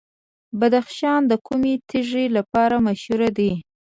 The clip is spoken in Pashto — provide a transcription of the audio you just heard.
بدخشان د کومې تیږې لپاره مشهور دی؟